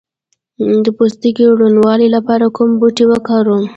د پوستکي روڼوالي لپاره کوم بوټی وکاروم؟